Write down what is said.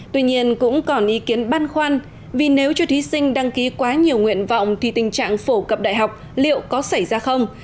tuy nhiên cũng còn ý kiến băn khoăn vì nếu cho thí sinh đăng ký quá nhiều nguyện vọng thì tình trạng phổ cập đại học liệu có xảy ra không